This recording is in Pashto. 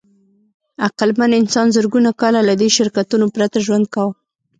عقلمن انسان زرګونه کاله له دې شرکتونو پرته ژوند کاوه.